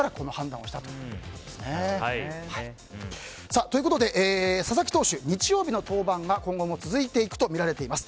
判断をしたということです。ということで佐々木投手日曜日の登板が今後も続くとみられています。